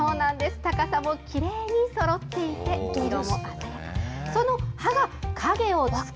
高さもきれいにそろっていて、色も鮮やかです。